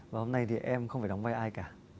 và hôm nay thì em không phải đóng vai cả